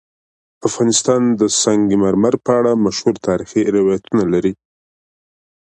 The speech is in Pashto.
افغانستان د سنگ مرمر په اړه مشهور تاریخی روایتونه لري.